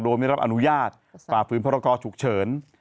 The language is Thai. โดยมีรับอนุญาตปลาฟืนพระรกอจุกเฉิน